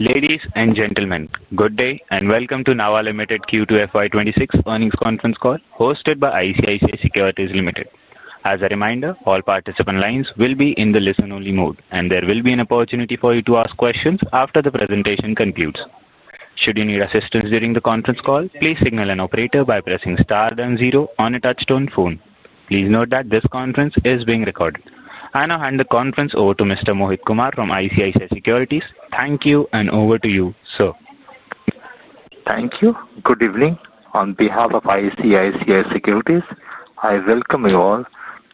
Ladies and gentlemen, good day and welcome to Nava Limited Q2FY26 earnings conference call hosted by ICICI Securities Limited. As a reminder, all participant lines will be in the listen-only mode, and there will be an opportunity for you to ask questions after the presentation concludes. Should you need assistance during the conference call, please signal an operator by pressing star then zero on a touch-tone phone. Please note that this conference is being recorded. I now hand the conference over to Mr. Mohit Kumar from ICICI Securities. Thank you, and over to you, sir. Thank you. Good evening. On behalf of ICICI Securities, I welcome you all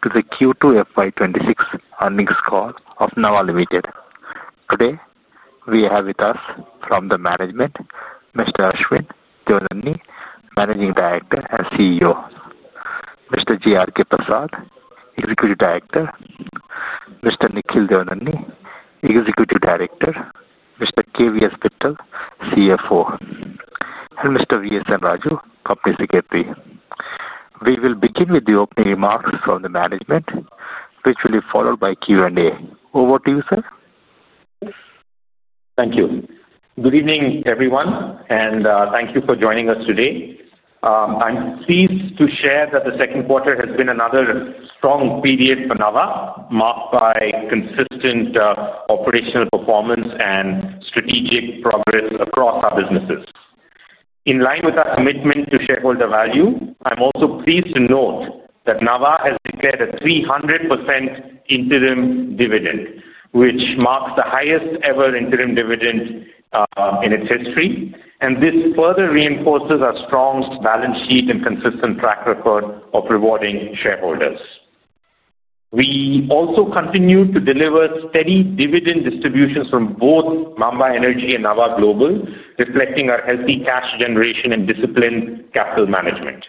to the Q2FY26 earnings call of Nava Limited. Today, we have with us from the management, Mr. Ashwin Devineni, Managing Director and CEO, Mr. G. R. K. Prasad, Executive Director, Mr. Nikhil Dhonandi, Executive Director, Mr. K. V. S. Bittal, CFO, and Mr. V. S. Raju, Company Secretary. We will begin with the opening remarks from the management, which will be followed by Q&A. Over to you, sir. Thank you. Good evening, everyone, and thank you for joining us today. I'm pleased to share that the second quarter has been another strong period for Nava, marked by consistent operational performance and strategic progress across our businesses. In line with our commitment to shareholder value, I'm also pleased to note that Nava has declared a 300% interim dividend, which marks the highest ever interim dividend in its history, and this further reinforces our strong balance sheet and consistent track record of rewarding shareholders. We also continue to deliver steady dividend distributions from both Maamba Energy and Nava Global, reflecting our healthy cash generation and disciplined capital management.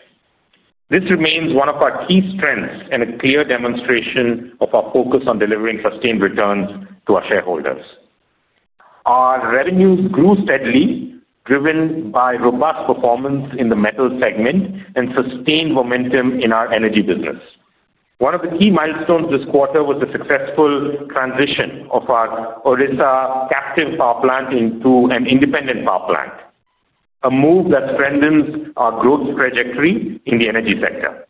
This remains one of our key strengths and a clear demonstration of our focus on delivering sustained returns to our shareholders. Our revenues grew steadily, driven by robust performance in the metals segment and sustained momentum in our energy business. One of the key milestones this quarter was the successful transition of our Odisha captive power plant into an independent power plant, a move that strengthens our growth trajectory in the energy sector.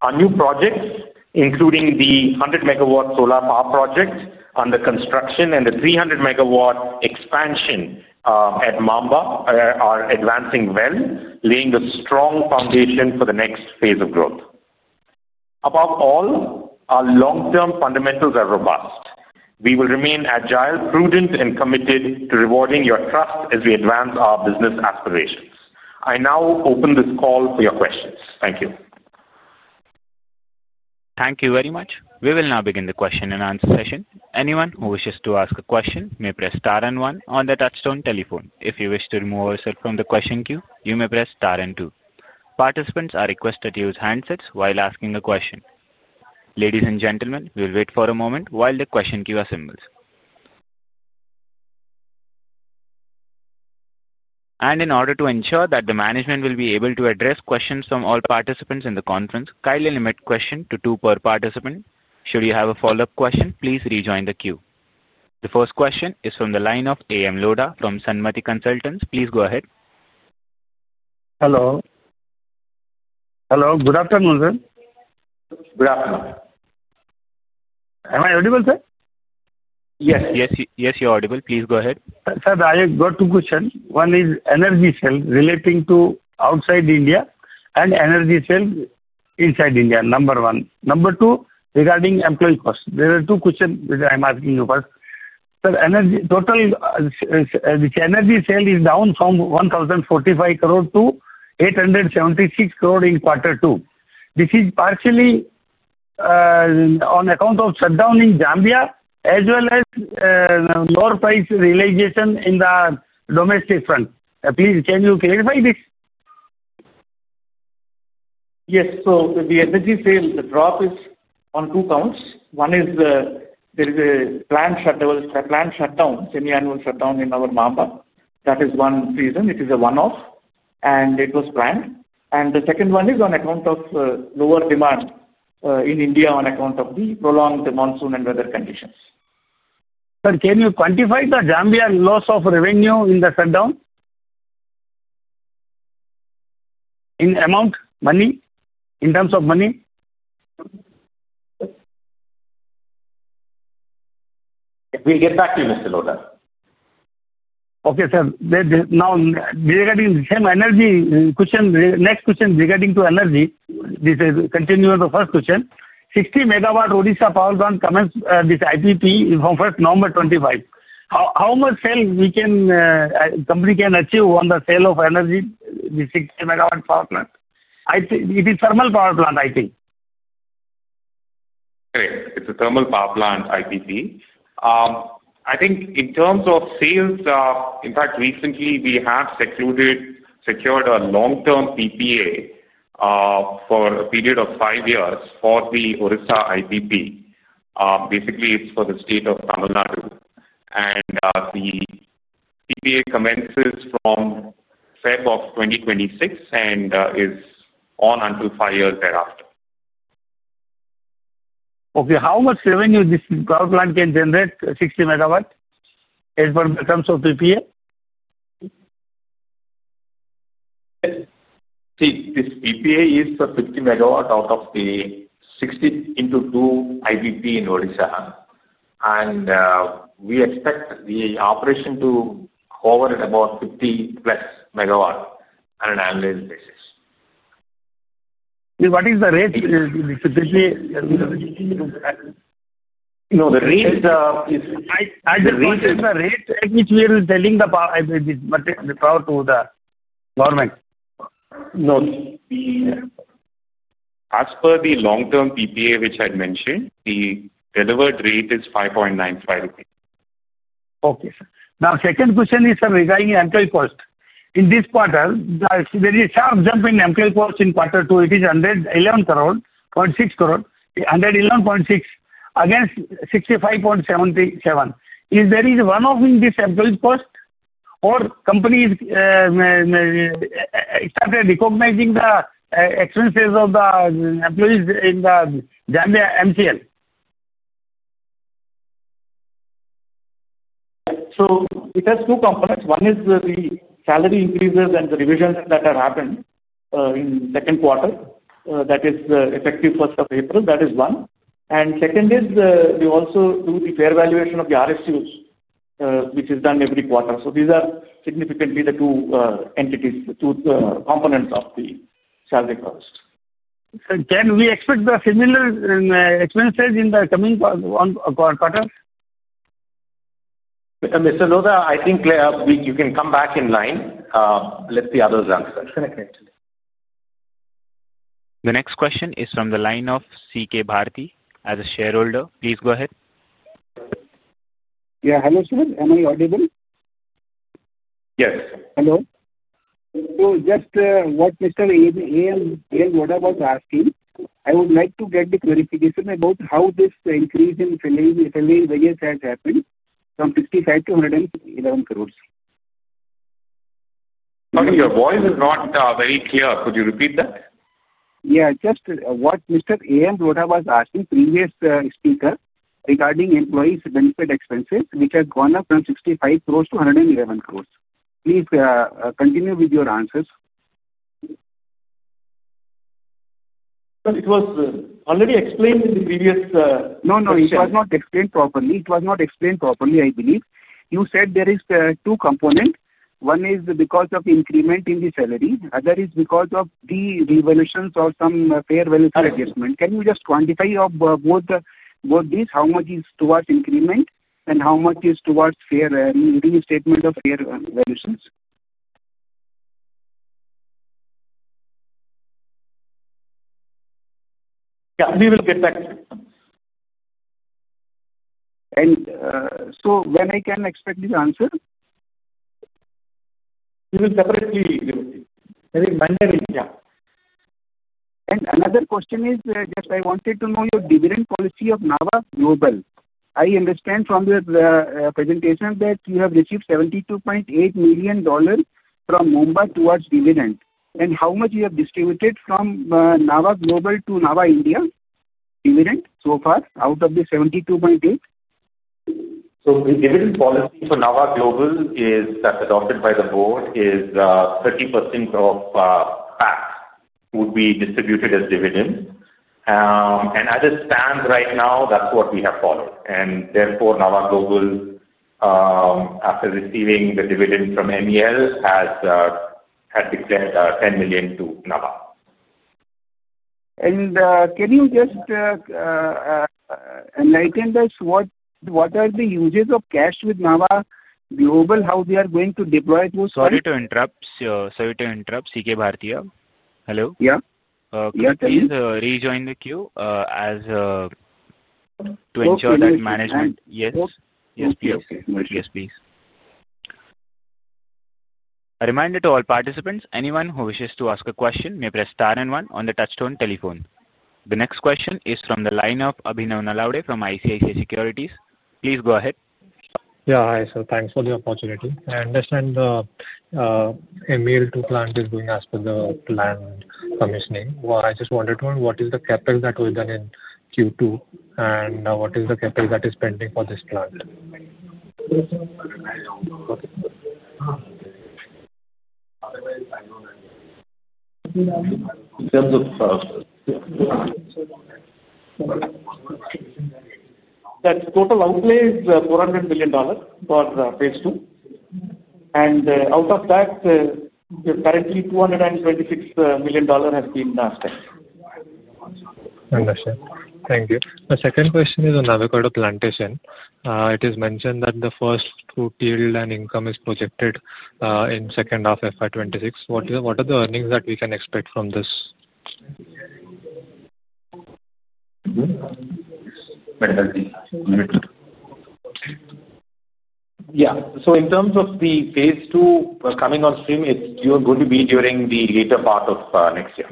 Our new projects, including the 100-megawatt solar project under construction and the 300-megawatt expansion at Maamba, are advancing well, laying a strong foundation for the next phase of growth. Above all, our long-term fundamentals are robust. We will remain agile, prudent, and committed to rewarding your trust as we advance our business aspirations. I now open this call for your questions. Thank you. Thank you very much. We will now begin the question-and-answer session. Anyone who wishes to ask a question may press star and one on the touch-tone telephone. If you wish to remove yourself from the question queue, you may press star and two. Participants are requested to use handsets while asking a question. Ladies and gentlemen, we'll wait for a moment while the question queue assembles. In order to ensure that the management will be able to address questions from all participants in the conference, kindly limit questions to two per participant. Should you have a follow-up question, please rejoin the queue. The first question is from the line of A M Lodha from Sanmati Consultants. Please go ahead. Hello. Good afternoon, sir. Good afternoon. Am I audible, sir? Yes. Yes. Yes, you're audible. Please go ahead. Sir, I have got two questions. One is energy sales relating to outside India and energy sales inside India, number one. Number two, regarding employee costs. There are two questions which I am asking you first. Sir, total energy sales is down from 1,045 crore to 876 crore in quarter two. This is partially on account of shutdown in Zambia as well as lower price realization in the domestic front. Please, can you clarify this? Yes. The energy sales, the drop is on two counts. One is there is a planned shutdown, semi-annual shutdown in our Maamba. That is one reason. It is a one-off, and it was planned. The second one is on account of lower demand in India on account of the prolonged monsoon and weather conditions. Sir, can you quantify the Zambian loss of revenue in the shutdown? In amount, money, in terms of money? We'll get back to you, Mr. Lodha. Okay, sir. Now, regarding same energy question, next question regarding to energy, this is continuing the first question. 60-megawatt Odisha power plant commence this IPP from 1 November 2025. How much sale we can, company can achieve on the sale of energy, the 60-megawatt power plant? It is thermal power plant, I think. Correct. It's a thermal power plant IPP. I think in terms of sales, in fact, recently we have secured a long-term PPA for a period of five years for the Odisha IPP. Basically, it's for the state of Tamil Nadu. The PPA commences from February of 2026 and is on until five years thereafter. Okay. How much revenue this power plant can generate, 60 megawatt, as per the terms of PPA? See, this PPA is 50 MW out of the 60 into two IPP in Odisha. We expect the operation to cover at about 50-plus MW on an annual basis. What is the rate? No, the rate is. What is the rate at which we are selling the power to the government? No. As per the long-term PPA, which I'd mentioned, the delivered rate is 5.95 rupees. Okay, sir. Now, second question is, sir, regarding the employee cost. In this quarter, there is a sharp jump in employee cost in quarter two. It is 111.6 crore, 111.6 against 65.77. Is there one-off in this employee cost, or company started recognizing the expenses of the employees in the Zambia Maamba Collieries Limited? It has two components. One is the salary increases and the revisions that have happened in second quarter, that is effective 1st of April. That is one. The second is we also do the fair valuation of the RSUs, which is done every quarter. These are significantly the two entities, the two components of the salary cost. Can we expect the similar expenses in the coming quarters? Mr. Lodha, I think you can come back in line. Let the others answer. Correct. Correct. The next question is from the line of C. K. Bharati. As a shareholder, please go ahead. Yeah. Hello, sir. Am I audible? Yes. Hello. Just what Mr. A. M. Lodha was asking, I would like to get the clarification about how this increase in salary wages has happened from 55 crore to 111 crore. Sorry, your voice is not very clear. Could you repeat that? Yeah. Just what Mr. A. M. Lodha was asking, previous speaker, regarding employees' benefit expenses, which has gone up from 650 million to 1,110 million. Please continue with your answers. Sir, it was already explained in the previous. No, no. It was not explained properly. It was not explained properly, I believe. You said there are two components. One is because of increment in the salary. Other is because of the revaluations of some fair value adjustment. Can you just quantify both these? How much is towards increment, and how much is towards reinstatement of fair valuations? Yeah. We will get back to you. When can I expect this answer? We will separately give it to you. That is Monday. Yeah. Another question is, just I wanted to know your dividend policy of Nava Global. I understand from the presentation that you have received $72.8 million from Maamba towards dividend. How much have you distributed from Nava Global to Nava India dividend so far out of the $72.8 million? The dividend policy for Nava Global that's adopted by the board is 30% of PAC would be distributed as dividend. As it stands right now, that's what we have followed. Therefore, Nava Global, after receiving the dividend from NEL, had declared $10 million to Nava. Can you just enlighten us what are the uses of cash with Nava Global, how they are going to deploy those? Sorry to interrupt. C. K. Bharati. Hello. Yeah? Can you please rejoin the queue to ensure that, management? Yes. Yes, please. A reminder to all participants, anyone who wishes to ask a question may press star and one on the touch-tone telephone. The next question is from the line of Abhinav Nalawade from ICICI Securities. Please go ahead. Yeah. Hi, sir. Thanks for the opportunity. I understand the MEL-2 plant is going as per the planned commissioning. I just wanted to know what is the Capex that was done in Q2, and what is the Capex that is pending for this plant? In terms of. That total outlay is $400 million for phase two. Out of that, currently, $226 million has been spent. Understood. Thank you. The second question is on Nava Cordon Plantation. It is mentioned that the first foot yield and income is projected in second half FY 2026. What are the earnings that we can expect from this? Yeah. In terms of the phase two coming on stream, you're going to be during the later part of next year.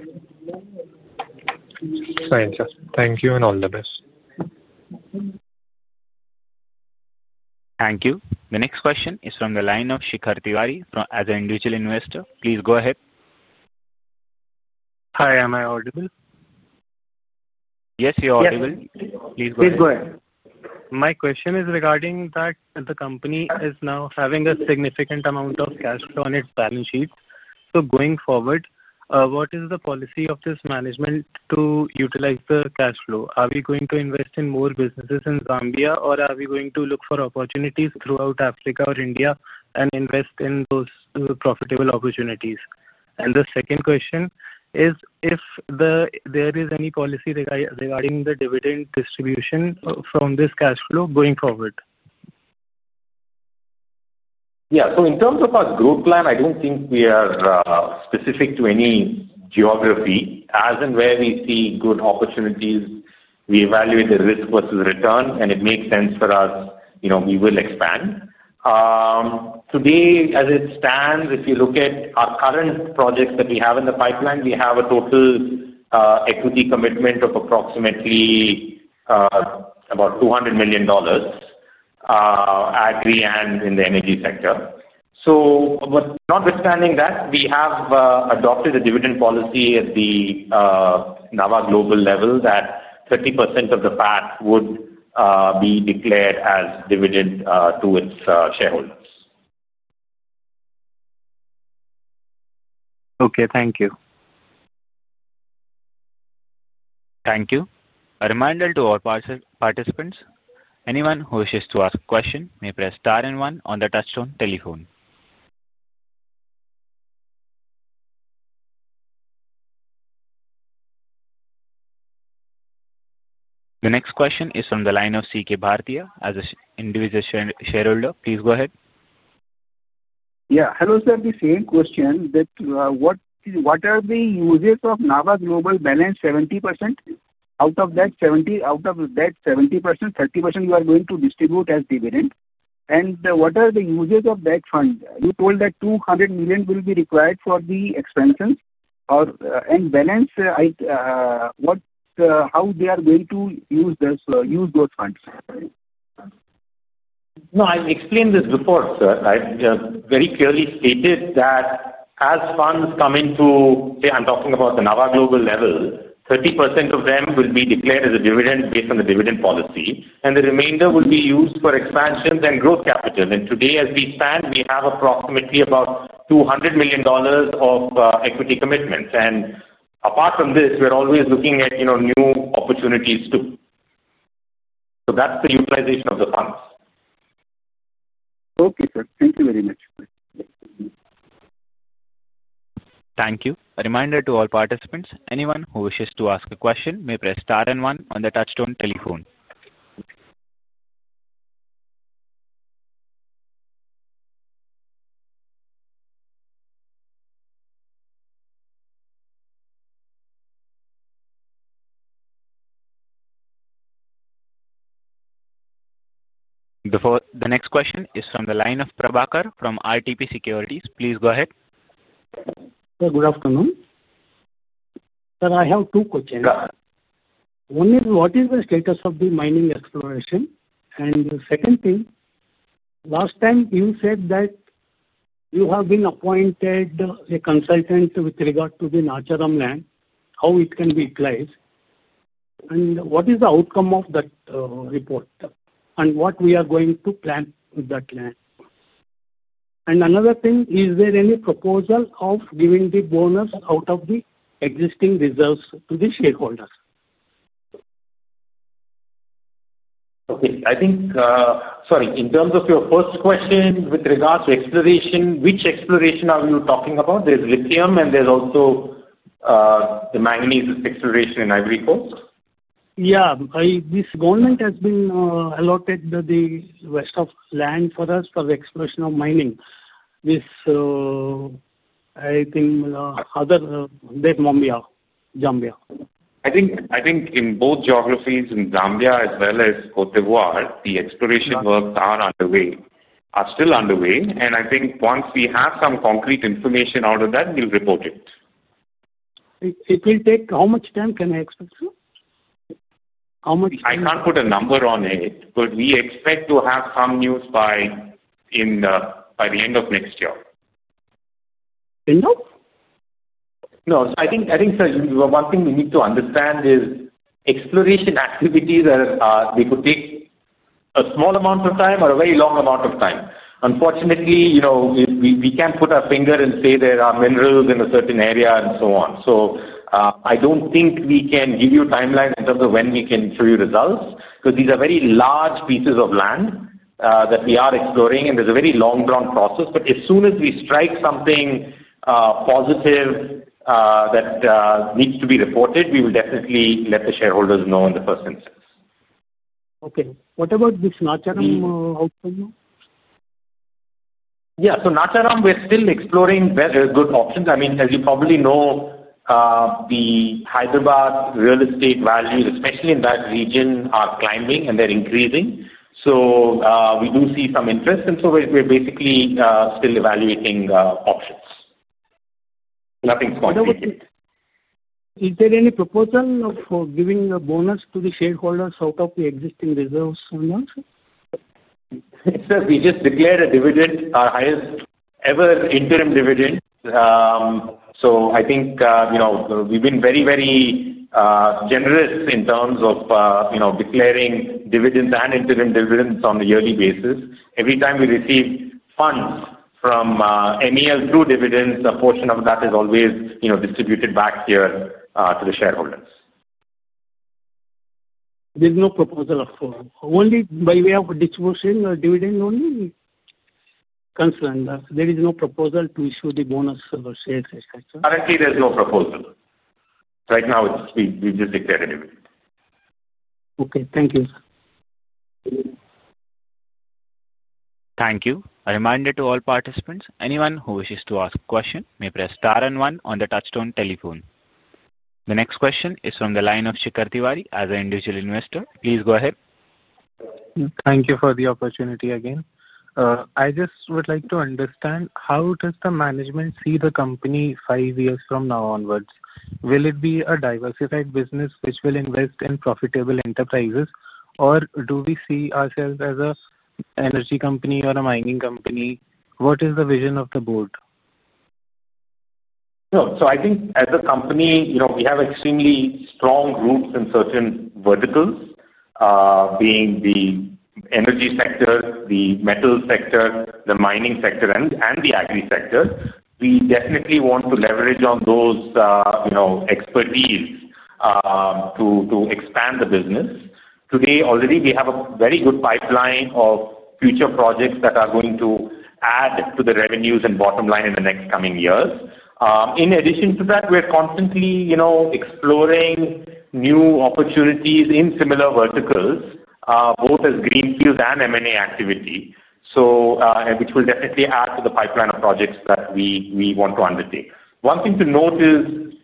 Thank you. Thank you and all the best. Thank you. The next question is from the line of Shikhar Tiwari as an individual investor. Please go ahead. Hi. Am I audible? Yes, you're audible. Please go ahead. Please go ahead. My question is regarding that the company is now having a significant amount of cash flow on its balance sheet. Going forward, what is the policy of this management to utilize the cash flow? Are we going to invest in more businesses in Zambia, or are we going to look for opportunities throughout Africa or India and invest in those profitable opportunities? The second question is if there is any policy regarding the dividend distribution from this cash flow going forward. Yeah. In terms of our growth plan, I do not think we are specific to any geography. As and where we see good opportunities, we evaluate the risk versus return, and if it makes sense for us, we will expand. Today, as it stands, if you look at our current projects that we have in the pipeline, we have a total equity commitment of approximately about $200 million at three ends in the energy sector. Notwithstanding that, we have adopted a dividend policy at the Nava Global level that 30% of the PAC would be declared as dividend to its shareholders. Okay. Thank you. Thank you. A reminder to all participants, anyone who wishes to ask a question may press star and one on the touch-tone telephone. The next question is from the line of C. K. Bharati as an individual shareholder. Please go ahead. Yeah. Hello, sir. The same question. What are the uses of Nava Global balance 70%? Out of that 70%, 30% you are going to distribute as dividend. What are the uses of that fund? You told that $200 million will be required for the expenses and balance. How are they going to use those funds? No. I explained this before, sir. I very clearly stated that as funds come into, say, I'm talking about the Nava Global level, 30% of them will be declared as a dividend based on the dividend policy. The remainder will be used for expansions and growth capital. Today, as we stand, we have approximately about $200 million of equity commitments. Apart from this, we're always looking at new opportunities too. That's the utilization of the funds. Okay, sir. Thank you very much. Thank you. A reminder to all participants, anyone who wishes to ask a question may press star and one on the touch-tone telephone. The next question is from the line of Prabhakar from RTP Securities. Please go ahead. Good afternoon. Sir, I have two questions. One is, what is the status of the mining exploration? The second thing, last time you said that you have been appointed a consultant with regard to the Nacharam land, how it can be utilized? What is the outcome of that report? What are we going to plan with that land? Is there any proposal of giving the bonus out of the existing reserves to the shareholders? Okay. Sorry. In terms of your first question with regards to exploration, which exploration are you talking about? There's lithium, and there's also the manganese exploration in Cote d'Ivoire. Yeah. This government has been allotted the rest of land for us for the exploration of mining with, I think, other than Mumbai, Zambia. I think in both geographies, in Zambia as well as Cote d'Ivoire, the exploration works are underway, are still underway. I think once we have some concrete information out of that, we'll report it. How much time can I expect to? How much time? I can't put a number on it, but we expect to have some news by the end of next year. End of? No. I think, sir, one thing we need to understand is exploration activities, they could take a small amount of time or a very long amount of time. Unfortunately, we can't put our finger and say there are minerals in a certain area and so on. I don't think we can give you a timeline in terms of when we can show you results because these are very large pieces of land that we are exploring, and there's a very long-drawn process. As soon as we strike something positive that needs to be reported, we will definitely let the shareholders know in the first instance. Okay. What about this Nacharam outcome? Yeah. Nacharam, we're still exploring good options. I mean, as you probably know, the Hyderabad real estate values, especially in that region, are climbing, and they're increasing. We do see some interest. We're basically still evaluating options. Nothing's continued. Is there any proposal of giving a bonus to the shareholders out of the existing reserves on that? Sir, we just declared a dividend, our highest ever interim dividend. I think we've been very, very generous in terms of declaring dividends and interim dividends on a yearly basis. Every time we receive funds from MEL-2 dividends, a portion of that is always distributed back here to the shareholders. There's no proposal of only by way of a distribution or dividend only? Concern, there is no proposal to issue the bonus or shares? Currently, there's no proposal. Right now, we've just declared a dividend. Okay. Thank you, sir. Thank you. A reminder to all participants, anyone who wishes to ask a question may press star and one on the touch-tone telephone. The next question is from the line of Shikhar Tiwari as an individual investor. Please go ahead. Thank you for the opportunity again. I just would like to understand how does the management see the company five years from now onwards? Will it be a diversified business which will invest in profitable enterprises, or do we see ourselves as an energy company or a mining company? What is the vision of the board? I think as a company, we have extremely strong roots in certain verticals, being the energy sector, the metal sector, the mining sector, and the agri sector. We definitely want to leverage on those expertise to expand the business. Today, already, we have a very good pipeline of future projects that are going to add to the revenues and bottom line in the next coming years. In addition to that, we're constantly exploring new opportunities in similar verticals, both as greenfield and M&A activity, which will definitely add to the pipeline of projects that we want to undertake. One thing to note is,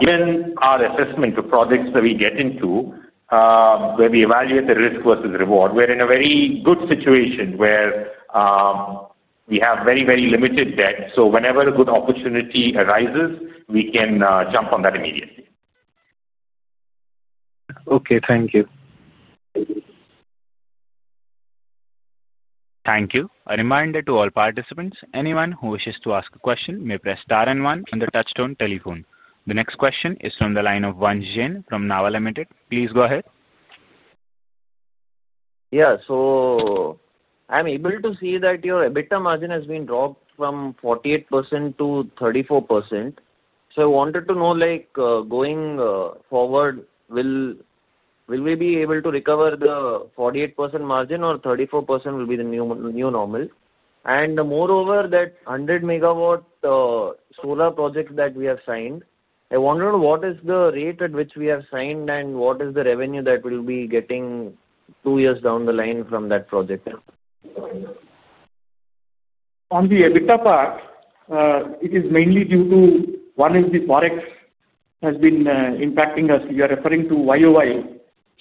given our assessment of projects that we get into, where we evaluate the risk versus reward, we're in a very good situation where we have very, very limited debt. Whenever a good opportunity arises, we can jump on that immediately. Okay. Thank you. Thank you. A reminder to all participants, anyone who wishes to ask a question may press star and one on the touch-tone telephone. The next question is from the line of Wanjin from Nava Limited. Please go ahead. Yeah. So I'm able to see that your EBITDA margin has been dropped from 48% to 34%. I wanted to know, going forward, will we be able to recover the 48% margin, or 34% will be the new normal? Moreover, that 100-megawatt solar project that we have signed, I wonder what is the rate at which we have signed, and what is the revenue that we'll be getting two years down the line from that project? On the EBITDA part, it is mainly due to one is the forex has been impacting us. You are referring to YOY,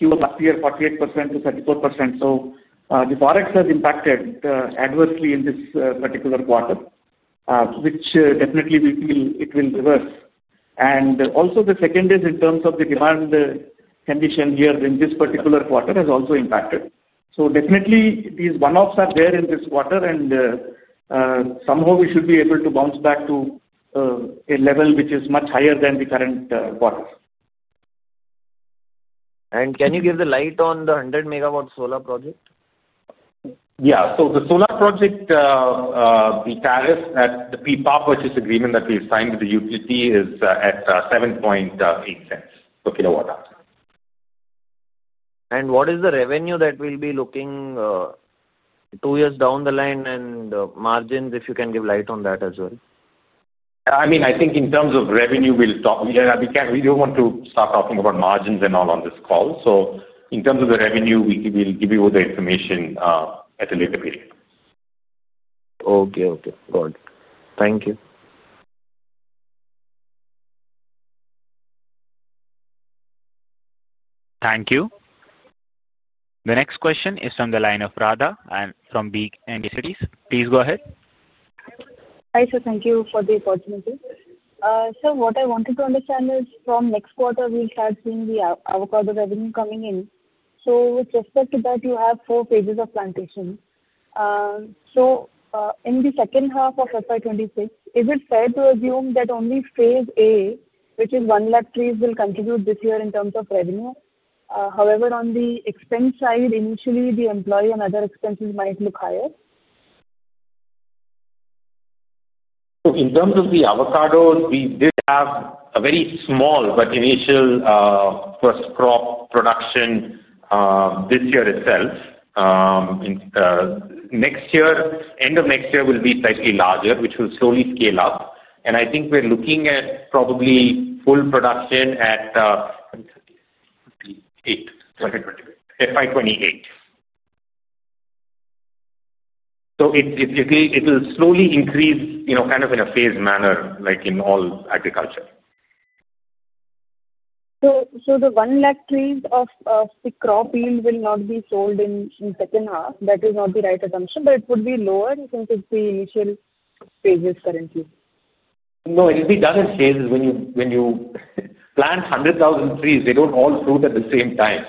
Q1 last year, 48% to 34%. The forex has impacted adversely in this particular quarter, which definitely we feel it will reverse. Also, the second is in terms of the demand condition here in this particular quarter has also impacted. Definitely, these one-offs are there in this quarter, and somehow we should be able to bounce back to a level which is much higher than the current quarter. Can you give the light on the 100-megawatt solar project? Yeah. So the solar project, the tariff at the PPA or purchase agreement that we've signed with the utility is at $0.078 per kilowatt hour. What is the revenue that we'll be looking at two years down the line and margins, if you can give light on that as well? I mean, I think in terms of revenue, we'll talk. We don't want to start talking about margins and all on this call. In terms of the revenue, we'll give you the information at a later period. Okay. Okay. Good. Thank you. Thank you. The next question is from the line of Rada and from Big Energy Cities. Please go ahead. Hi, sir. Thank you for the opportunity. Sir, what I wanted to understand is from next quarter, we start seeing the avocado revenue coming in. With respect to that, you have four phases of plantation. In the second half of FY2026, is it fair to assume that only phase A, which is 100,000 trees, will contribute this year in terms of revenue? However, on the expense side, initially, the employee and other expenses might look higher? In terms of the avocados, we did have a very small but initial first crop production this year itself. Next year, end of next year, will be slightly larger, which will slowly scale up. I think we're looking at probably full production at FY2028. It will slowly increase kind of in a phased manner like in all agriculture. The one lakh trees of the crop yield will not be sold in the second half. That is not the right assumption, but it would be lower since it is the initial phases currently. No, it'll be done in phases. When you plant 100,000 trees, they don't all fruit at the same time.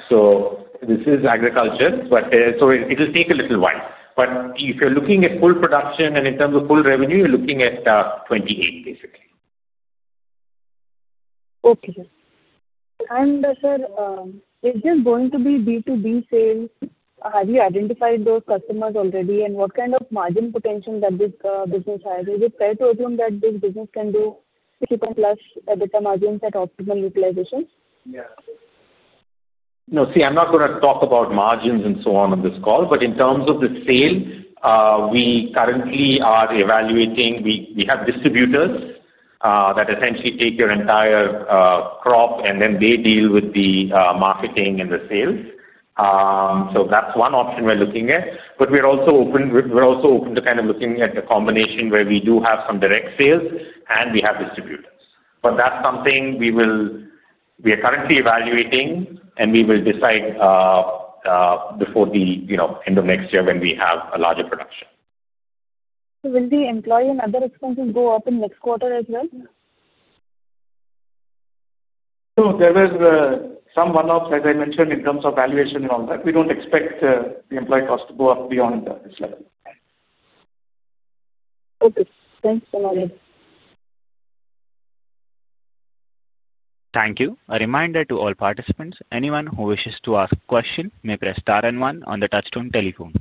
This is agriculture, so it'll take a little while. If you're looking at full production and in terms of full revenue, you're looking at 2028, basically. Okay. Sir, is this going to be B2B sales? Have you identified those customers already? What kind of margin potential does this business have? Is it fair to assume that this business can do 50%+ EBITDA margins at optimal utilization? No. See, I'm not going to talk about margins and so on on this call, but in terms of the sale, we currently are evaluating. We have distributors that essentially take your entire crop, and then they deal with the marketing and the sales. That is one option we're looking at. We are also open to kind of looking at the combination where we do have some direct sales, and we have distributors. That is something we are currently evaluating, and we will decide before the end of next year when we have a larger production. Will the employee and other expenses go up in next quarter as well? There were some one-offs, as I mentioned, in terms of valuation and all that. We do not expect the employee cost to go up beyond this level. Okay. Thanks so much. Thank you. A reminder to all participants, anyone who wishes to ask a question may press star and one on the touch-tone telephone.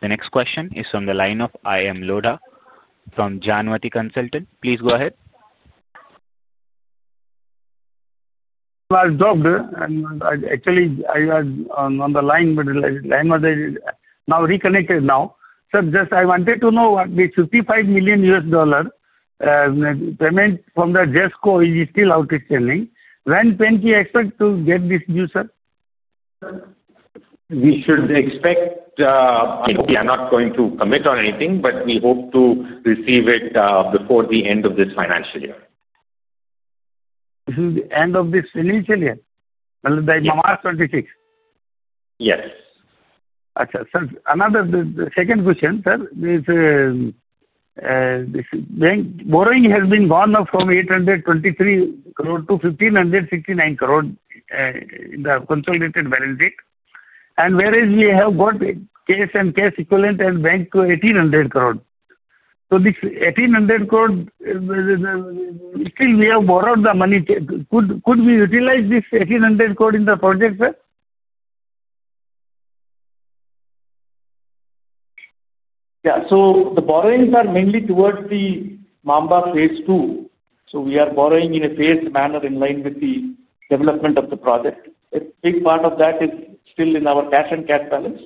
The next question is from the line of A M Lodha from Sanmati Consultants. Please go ahead. Was dropped. Actually, I was on the line, but I was now reconnected now. Sir, just I wanted to know what the $55 million payment from JESCO is still outstanding. When can we expect to get this, sir? We should expect. We are not going to commit on anything, but we hope to receive it before the end of this financial year. This is the end of this financial year? That is March 2026? Yes. Sir. Another second question, sir, is bank borrowing has been gone from 823 crore to 1,569 crore in the consolidated balance sheet. Whereas we have got cash and cash equivalent and bank to 1,800 crore. This 1,800 crore, still we have borrowed the money. Could we utilize this 1,800 crore in the project, sir? Yeah. The borrowings are mainly towards the Maamba phase two. We are borrowing in a phased manner in line with the development of the project. A big part of that is still in our cash and cash balance,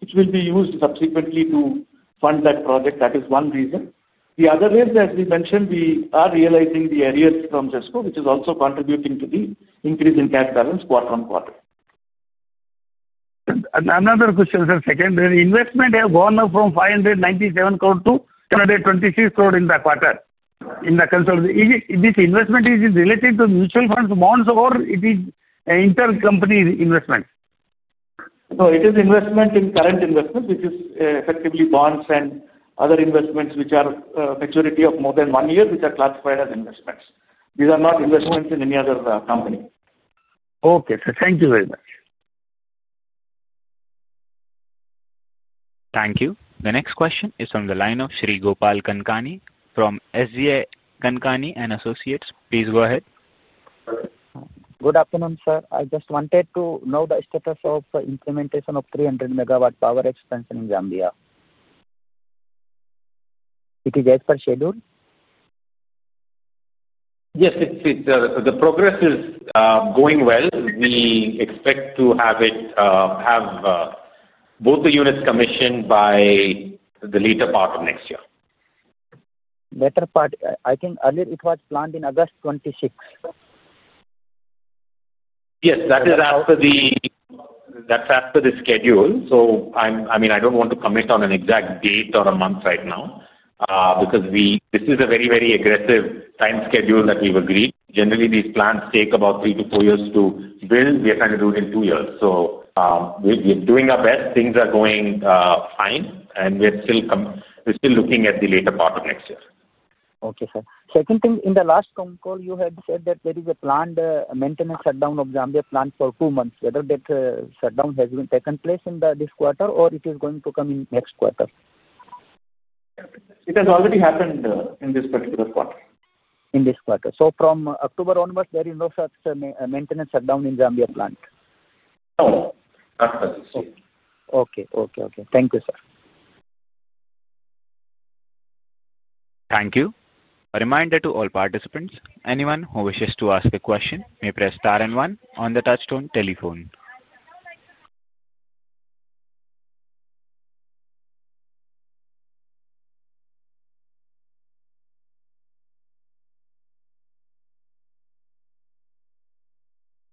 which will be used subsequently to fund that project. That is one reason. The other is, as we mentioned, we are realizing the areas from JESCO, which is also contributing to the increase in cash balance quarter on quarter. Another question, sir. Second, the investment has gone from 597 crore to 226 crore in the quarter in the consolidation. This investment is related to mutual funds, bonds, or it is intercompany investment? No, it is investment in current investments, which is effectively bonds and other investments which are maturity of more than one year, which are classified as investments. These are not investments in any other company. Okay. Thank you very much. Thank you. The next question is from the line of Shree Gopal Kankani from SGA Kankani and Associates. Please go ahead. Good afternoon, sir. I just wanted to know the status of implementation of 300 megawatt power expansion in Zambia. Is it as per schedule? Yes. The progress is going well. We expect to have both the units commissioned by the later part of next year. Better part, I think earlier it was planned in August 2026. Yes. That is after the schedule. I mean, I don't want to commit on an exact date or a month right now because this is a very, very aggressive time schedule that we've agreed. Generally, these plants take about three to four years to build. We are trying to do it in two years. We are doing our best. Things are going fine, and we're still looking at the later part of next year. Okay, sir. Second thing, in the last phone call, you had said that there is a planned maintenance shutdown of Zambia plant for two months. Whether that shutdown has taken place in this quarter or it is going to come in next quarter? It has already happened in this particular quarter. In this quarter. From October onwards, there is no such maintenance shutdown in Zambia plant? No. Not for this year. Okay. Thank you, sir. Thank you. A reminder to all participants, anyone who wishes to ask a question may press star and one on the touch-tone telephone.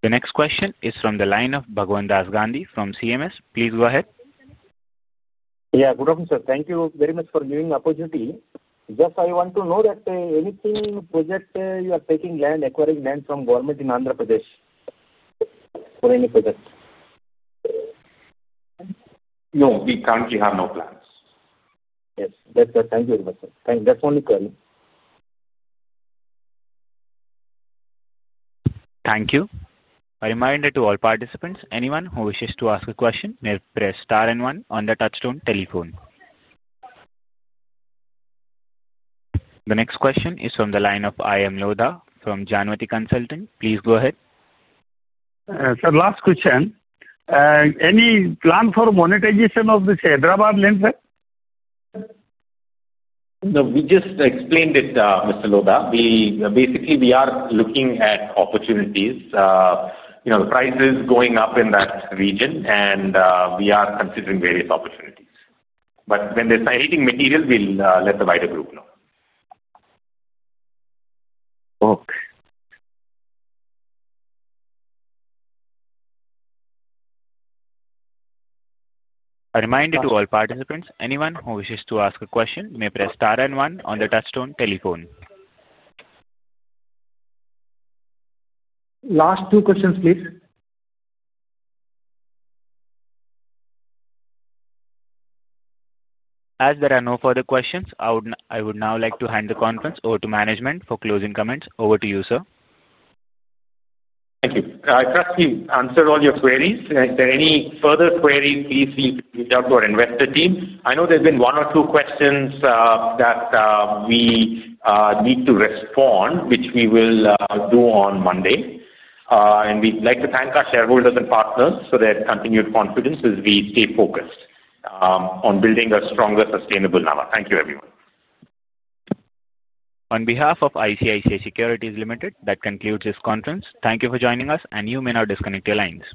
The next question is from the line of Bhagwandas Gandhi from CMS. Please go ahead. Yeah. Good afternoon, sir. Thank you very much for giving the opportunity. Just I want to know that any project you are taking land, acquiring land from government in Andhra Pradesh for any project? No. We currently have no plans. Yes. That's it. Thank you very much, sir. That's the only query. Thank you. A reminder to all participants, anyone who wishes to ask a question may press star and one on the touch-tone telephone. The next question is from the line of A. M. Lodha from Sanmati Consultants. Please go ahead. Sir, last question. Any plan for monetization of this Hyderabad land, sir? No. We just explained it, Mr. Lodha. Basically, we are looking at opportunities. The price is going up in that region, and we are considering various opportunities. When there is anything material, we will let the wider group know. Okay. A reminder to all participants, anyone who wishes to ask a question may press star and one on the touch-tone telephone. Last two questions, please. As there are no further questions, I would now like to hand the conference over to management for closing comments. Over to you, sir. Thank you. I trust we answered all your queries. If there are any further queries, please reach out to our investor team. I know there's been one or two questions that we need to respond, which we will do on Monday. We would like to thank our shareholders and partners for their continued confidence as we stay focused on building a stronger, sustainable Nava. Thank you, everyone. On behalf of ICICI Securities Limited, that concludes this conference. Thank you for joining us, and you may now disconnect your lines.